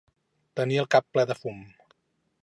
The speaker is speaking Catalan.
Tenir el cap ple de fum.